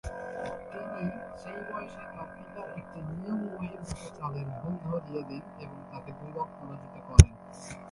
তিনি সেই বয়সে তার পিতার একটি নিয়ম বহির্ভূত চালের ভুল ধরিয়ে দেন এবং তাকে দুইবার পরাজিত করেন।